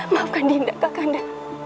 maafkan dinda kak kanda